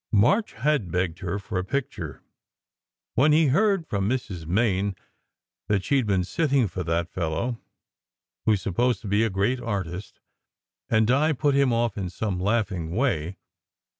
March had begged her for a picture, when he heard from Mrs. Main that she d been sitting for that fellow, who s supposed to be a great artist; and Di put him off in some laughing way.